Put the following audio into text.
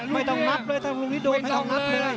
ไม่ต้องนับเลยถ้าพรุ่งนี้ดูไม่ต้องนับเลย